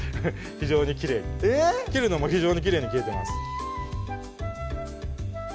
非常にきれいに切るのも非常にきれいに切れてます